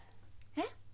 えっ？